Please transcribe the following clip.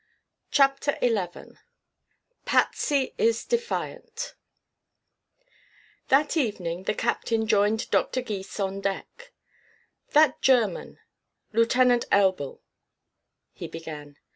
CHAPTER XI PATSY IS DEFIANT That evening the captain joined Dr. Gys on deck. "That German, Lieutenant Elbl," he began.